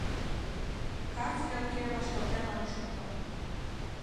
— Кас йотке вашталтен ом шукто.